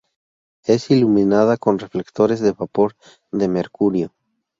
Es iluminada con reflectores de vapor de mercurio.